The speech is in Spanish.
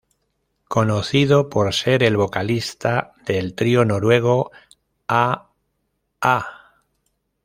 Conocido por ser el vocalista del trío noruego a-ha.